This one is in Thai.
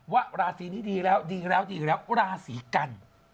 ว่าราศีนี้ดีแล้วดีแล้วดีแล้วราศีกัน